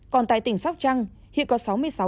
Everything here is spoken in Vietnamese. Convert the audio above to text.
còn tại tỉnh sóc trăng hiện có sáu mươi sáu người